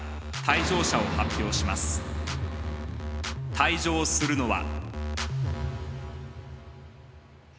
退場するのは。